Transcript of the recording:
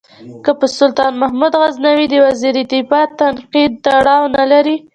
که په سلطان محمود غزنوي د وزیر دفاع تنقید تړاو نه لري.